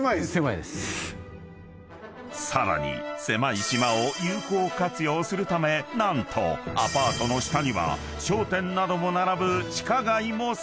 ［さらに狭い島を有効活用するため何とアパートの下には商店なども並ぶ地下街も整備］